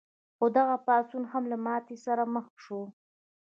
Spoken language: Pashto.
خو دغه پاڅون هم له ماتې سره مخ شو.